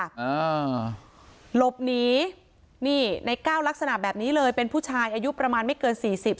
อ่าหลบหนีนี่ในก้าวลักษณะแบบนี้เลยเป็นผู้ชายอายุประมาณไม่เกินสี่สิบ